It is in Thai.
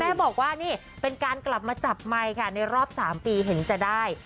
บอกว่านี่เป็นการกลับมาจับไมค์ค่ะในรอบ๓ปีเห็นจะได้